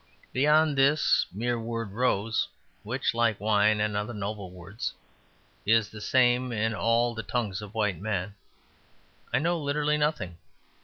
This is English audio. Beyond this mere word Rose, which (like wine and other noble words) is the same in all the tongues of white men, I know literally nothing.